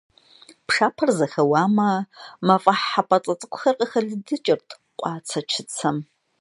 Пшапэр зэхэуамэ, мафӀэхь хьэпӀацӀэ цӀыкӀухэр къыхэлыдыкӀырт къуацэ-чыцэм.